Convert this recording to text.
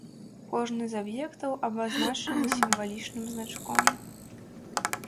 Кожны з аб'ектаў абазначаны сімвалічным значком.